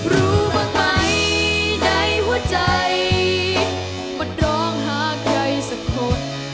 รู้ว่าไหมใดหัวใจมันร้องหาใครสักคน